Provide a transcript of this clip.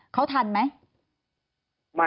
เขาทันไหม